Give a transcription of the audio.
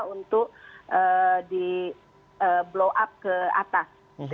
untuk di blow up ke atas